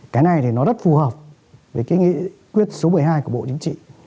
cái này thì nó rất phù hợp với cái nghị quyết số một mươi hai của bộ chính trị